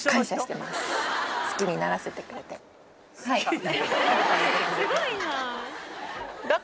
はい。